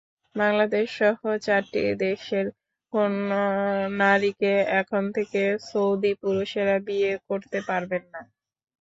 বাংলাদেশসহ চারটি দেশের কোনো নারীকে এখন থেকে সৌদি পুরুষেরা বিয়ে করতে পারবেন না।